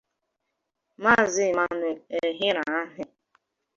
Maazị Emmanuel Ehiramhen